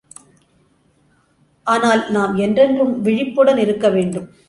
ஆனால், நாம் என்றென்றும் விழிப்புடன் இருக்க வேண்டும்.